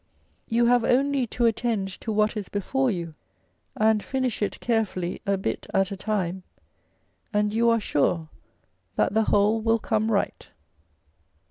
You have only to attend to what is before you, and finish it carefully a bit at a time, and you are sure that the whole will come right.